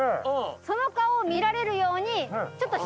その顔を見られるようにちょっと。